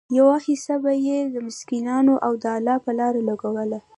يوه حيصه به ئي د مسکينانو او د الله په لاره لګوله